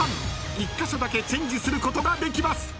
［１カ所だけチェンジすることができます］